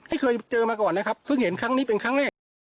ไม่เคยเจอมาก่อนนะครับเพิ่งเห็นครั้งนี้เป็นครั้งแรก